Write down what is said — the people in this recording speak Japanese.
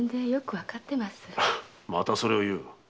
またそれを言う。